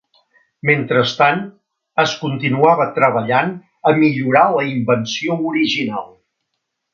Mentrestant, es continuava treballant a millorar la invenció original.